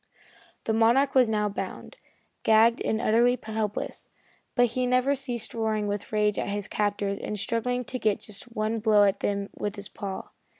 The Monarch was now bound, gagged and utterly helpless, but he never ceased roaring with rage at his captors and struggling to get just one blow at them with his paw.